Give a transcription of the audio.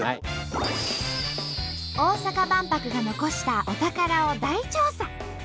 大阪万博が残したお宝を大調査！